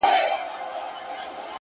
وخت د هر چا لپاره مساوي دی!